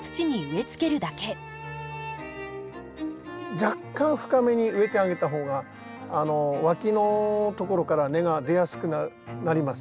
若干深めに植えてあげた方がわきのところから根が出やすくなります。